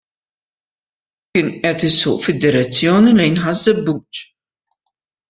Hu kien qed isuq fid-direzzjoni lejn Ħaż - Żebbuġ.